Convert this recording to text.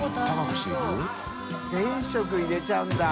歓入れちゃうんだ。